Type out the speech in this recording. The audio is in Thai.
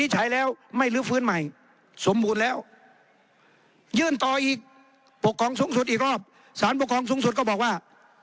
สารปกครองสูงสุดอีกรอบสารปกครองสูงสุดก็บอกว่า